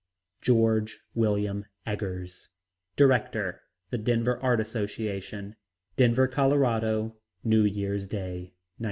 GEORGE WILLIAM EGGERS Director The Denver Art Association DENVER, COLORADO, New Year's Day, 1922.